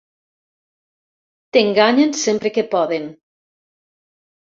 T'enganyen sempre que poden.